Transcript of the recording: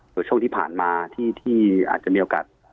โดยช่วงที่ผ่านมาที่อาจจะมีโอกาส